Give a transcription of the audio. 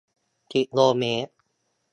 กิโลเมตร